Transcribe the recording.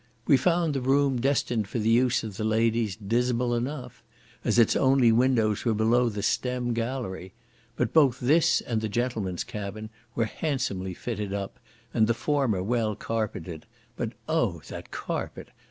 We found the room destined for the use of the ladies dismal enough, as its only windows were below the stem gallery; but both this and the gentlemen's cabin were handsomely fitted up, and the former well carpeted; but oh! that carpet!